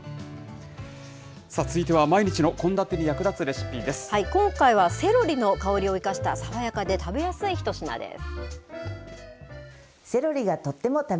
続いては毎日の献立に役立つ今回は、セロリの香りを生かした、爽やかで食べやすい一品です。